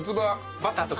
バターとか。